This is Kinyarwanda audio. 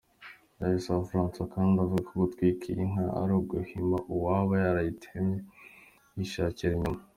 Ndayisaba Francois kandi avuga ko gutwika iyi nka ari uguhima uwaba yaratitemye yishakira inyama.